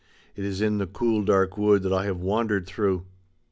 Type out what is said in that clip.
It is in the cool dark wood that I have wandered through.